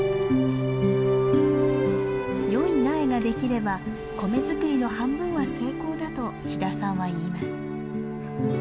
良い苗が出来れば米作りの半分は成功だと飛田さんは言います。